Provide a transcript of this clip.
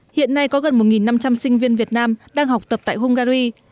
hiện nay có gần một năm trăm linh sinh viên việt nam đang học tập tại hungary